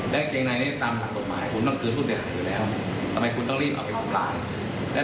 แต่กลคนโดยคะสมัยคนอาจทำลายคุณจะรีบเอาไปทำลาย